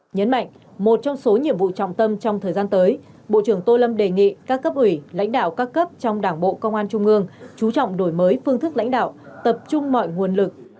nhấn mạnh một trong số nhiệm vụ trọng tâm trong thời gian tới bộ trưởng tô lâm đề nghị các cấp ủy lãnh đạo các cấp trong đảng bộ công an trung ương chú trọng đổi mới phương thức lãnh đạo tập trung mọi nguồn lực